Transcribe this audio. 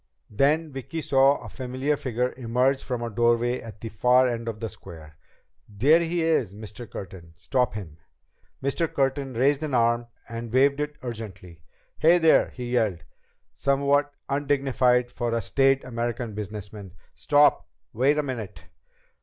Then Vicki saw a familiar figure emerge from a doorway at the far end of the square. "There he is, Mr. Curtin! Stop him!" Mr. Curtin raised an arm and waved it urgently. "Hey, there!" he yelled, somewhat undignified for a staid American businessman. "Stop! Wait a minute!"